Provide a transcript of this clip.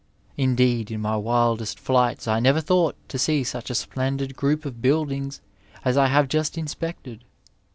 Indeed in my wildest flights I never thought to see such a splendid group of buildings as I have just inspected.